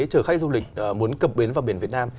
chở khách du lịch muốn cập bến vào biển việt nam